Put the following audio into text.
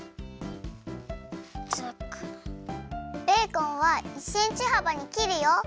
ベーコンは１センチはばにきるよ！